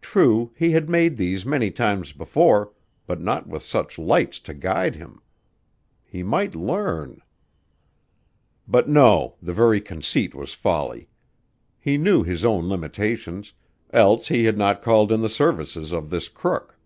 True, he had made these many times before, but not with such lights to guide him. He might learn But no, the very conceit was folly. He knew his own limitations, else he had not called in the services of this crook.